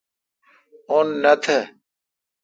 ان نہ تھ۔